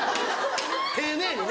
丁寧にね。